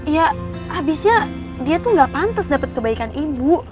ya abisnya dia tuh gak pantes dapet kebaikan ibu